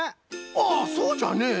ああそうじゃね。